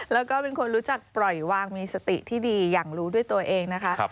แล้วก็เป็นคนรู้จักปล่อยวางมีสติที่ดีอย่างรู้ด้วยตัวเองนะคะ